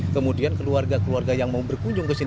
kemudian keluarga keluarga yang mau berkunjung ke sini